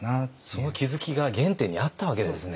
その気づきが原点にあったわけですね。